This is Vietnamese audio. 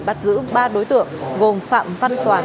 bắt giữ ba đối tượng gồm phạm văn toàn